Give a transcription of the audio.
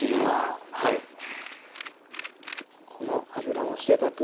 おほんとですね。